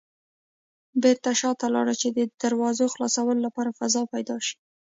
بېرته شاته لاړل چې د دراوزو خلاصولو لپاره فضا پيدا شي.